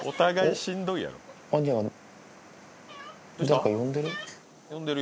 誰か呼んでる？